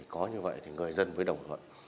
có như vậy thì người dân với đồng thuận